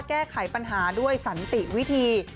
แก้ไขปัญหาด้วยสันติวิธี